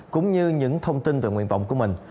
cũng như những thông tin về nguyện vọng của mình